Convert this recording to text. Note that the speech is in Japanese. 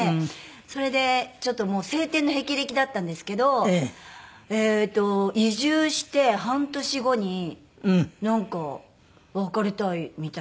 それでちょっともう青天の霹靂だったんですけどえっと移住して半年後になんか「別れたい」みたいになって。